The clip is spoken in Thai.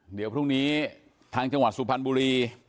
เดี๋ยวพรุ่งนี้ทางจังหวัดสุพรรณบุรี